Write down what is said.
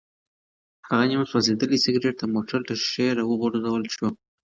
هغه نیم سوځېدلی سګرټ د موټر له ښیښې راوغورځول شو.